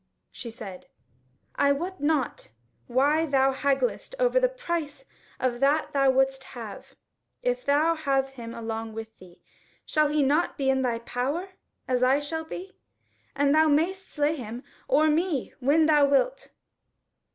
She said: "I wot not why thou hagglest over the price of that thou wouldest have. If thou have him along with thee, shall he not be in thy power as I shall be? and thou mayst slay him or me when thou wilt."